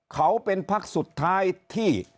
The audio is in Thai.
เขาเป็นพักสุดท้ายที่